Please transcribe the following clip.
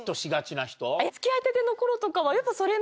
付き合いたての頃とかはやっぱ。